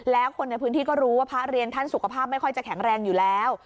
แล้วคนในพื้นที่ก็รู้ว่าพระเรียนท่านสุขภาพไม่ค่อยจะแข็งแรงอยู่แล้ว